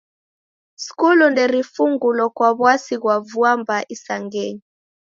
Skulu nderifungulo kwa w'asi ghwa vua mbaa isangenyi.